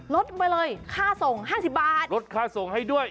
ลดไปเลยค่าส่ง๕๐บาทลดค่าส่งให้ด้วย